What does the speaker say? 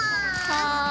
はい。